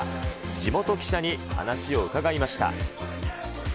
地元記者に話を伺いました。